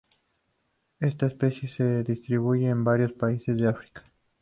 Esta especie se distribuye en varios países de África.